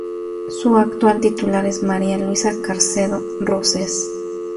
Su actual titular es María Luisa Carcedo Roces.